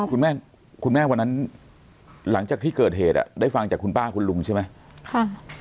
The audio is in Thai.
คุณแม่คุณแม่วันนั้นหลังจากที่เกิดเหตุได้ฟังจากคุณป้าคุณลุงใช่ไหม